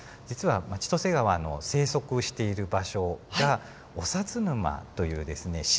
実は千歳川の生息している場所が長都沼というですね